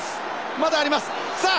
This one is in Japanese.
まだありますさあ